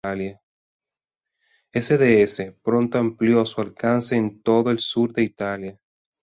FdS pronto amplió su alcance en todo el sur de Italia.